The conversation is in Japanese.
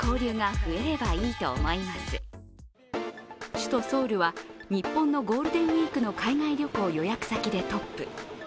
首都ソウルは日本のゴールデンウイークの海外旅行予約先でトップ。